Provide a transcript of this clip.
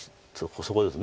そこです。